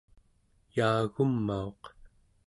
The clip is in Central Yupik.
yaagumauq